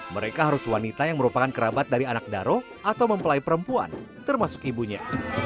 mereka harus wanita yang merupakan kerabat dari anak daro atau mempelai perempuan termasuk ibunya